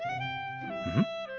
うん？